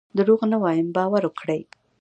دروغ نه وایم باور وکړئ.